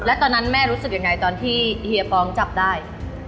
แล้วตอนนั้นแม่รู้สึกยังไงตอนที่เฮียปองจับได้